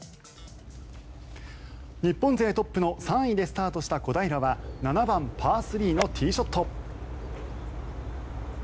日本勢トップの３位でスタートした小平は７番、パー３のティーショット。